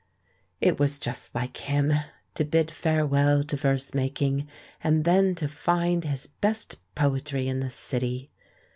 It was just like him, to bid farewell to verse making, and then to find his best poetry in the City.